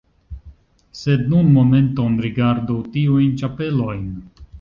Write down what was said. Sed nun momenton rigardu tiujn ĉapelojn!